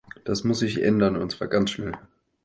Das muss sich ändern, und zwar ganz schnell.